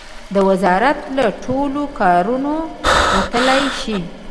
د وزارت له ټولو کارونو وتلای شي.